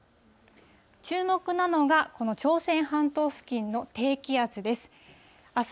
注目なのが、この朝鮮半島付近の低気圧です。